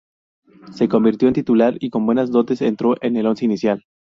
Se convirtió en titular y con buenas dotes entró en el once inicial.